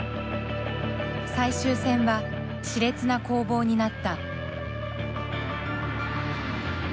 最終戦はしれつな攻防になった。